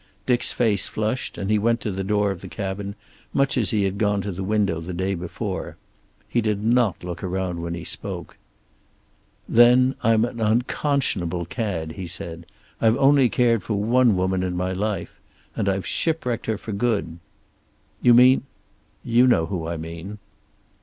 Dick's face flushed, and he went to the door of the cabin, much as he had gone to the window the day before. He did not look around when he spoke. "Then I'm an unconscionable cad," he said. "I've only cared for one woman in my life. And I've shipwrecked her for good." "You mean " "You know who I mean."